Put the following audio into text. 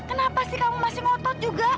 kenapa sih kamu masih ngotot juga